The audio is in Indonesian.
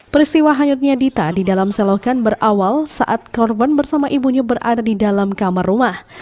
peristiwa hanyutnya dita di dalam selokan berawal saat korban bersama ibunya berada di dalam kamar rumah